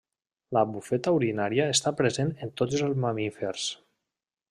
La bufeta urinària està present en tots els mamífers.